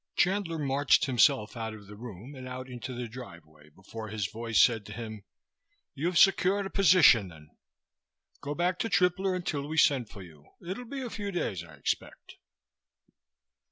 Chandler marched himself out of the room and out into the driveway before his voice said to him: "You've secured a position, then. Go back to Tripler until we send for you. It'll be a few days, I expect."